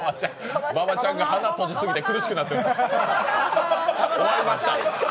馬場ちゃんが鼻閉じすぎて苦しくなってる。